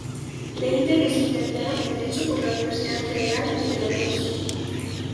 Leite es licenciado en Derecho por la Universidad Federal de Pelotas.